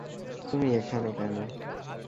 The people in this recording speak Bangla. তুমি এখানে কেন?